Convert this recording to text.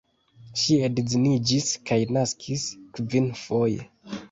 Ŝi edziniĝis kaj naskis kvinfoje.